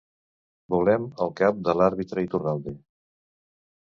Volem el cap de l'àrbitre Iturralde.